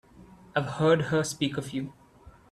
I've heard her speak of you.